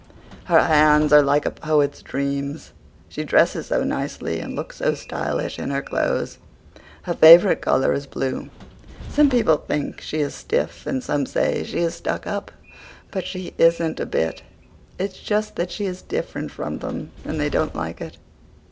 Her hands are like a poet's dreams. She dresses so nicely and looks so stylish in her clothes. Her favourite colour is blue. Some people think she is stiff and some say she is stuck up, but she isn't a bit. It's just that she is different from them and they don't like it.